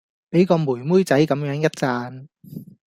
俾個妹妹仔咁樣一讚